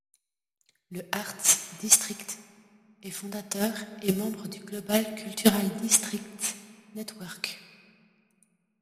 Le Arts District est fondateur et membre du Global Cultural Districts Network.